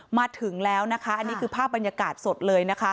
มาถึงแล้วอันนี้คือภาพบรรยากาศสดเลย